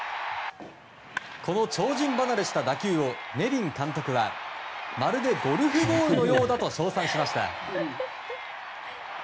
この超人離れした打球をネビン監督はまるでゴルフボールのようだと称賛しました。